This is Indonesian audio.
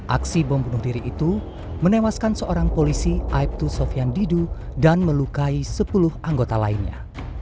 aksi bom bunuh diri itu menewaskan seorang polisi aibtu sofyan didu dan melukai sepuluh anggota lainnya